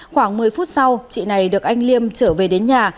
khoảng một mươi phút sau chị này được anh liêm trở về đến nhà